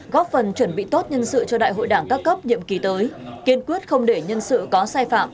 góp phần chuẩn bị tốt nhân sự cho đại hội đảng các cấp nhiệm kỳ tới kiên quyết không để nhân sự có sai phạm